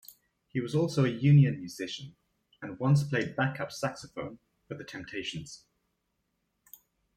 He was also a union musician, and once played backup saxophone for The Temptations.